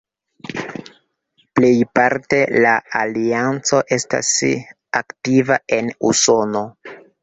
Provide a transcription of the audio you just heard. Plejparte la Alianco estas aktiva en Usono.